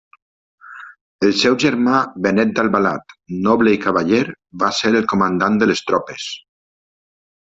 El seu germà Benet d'Albalat, noble i cavaller, va ser el comandant de les tropes.